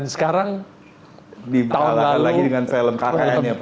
sekarang tahun lalu film kmd diserahkan